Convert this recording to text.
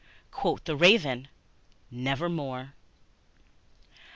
Quoth the Raven, "Nevermore."